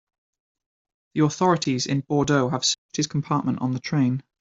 The authorities in Bordeaux have searched his compartment on the train.